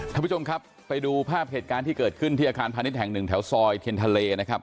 ท่านผู้ชมครับไปดูภาพเหตุการณ์ที่เกิดขึ้นที่อาคารพาณิชย์แห่งหนึ่งแถวซอยเทียนทะเลนะครับ